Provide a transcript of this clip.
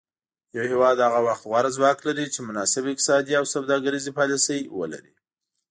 یو هیواد هغه وخت غوره ځواک لري چې مناسب اقتصادي او سوداګریزې پالیسي ولري